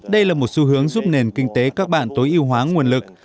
đây là một xu hướng giúp nền kinh tế các bạn tối ưu hóa nguồn lực